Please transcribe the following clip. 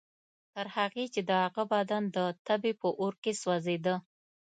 تر هغې چې د هغه بدن د تبې په اور کې سوځېده.